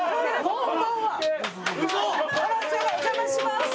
お邪魔します。